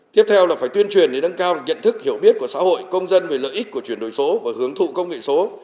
tiếp theo là phải tuyên truyền để nâng cao nhận thức hiểu biết của xã hội công dân về lợi ích của chuyển đổi số và hướng thụ công nghệ số